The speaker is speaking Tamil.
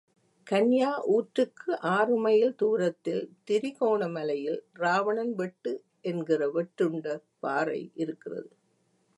கன்யா ஊற்றுக்கு ஆறு மைல் தூரத்தில் திரிகோணமலையில் ராவணன் வெட்டு என்கிற வெட்டுண்ட பாறை இருக்கிறது.